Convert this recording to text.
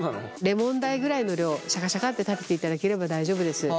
レモン大ぐらいの量をシャカシャカって立てていただければ大丈夫です。